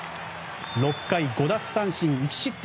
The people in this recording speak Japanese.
６回５奪三振１失点。